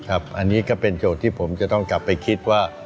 อันนี้ก็เป็นโจทย์ที่ผมจะต้องกลับไปคิดว่า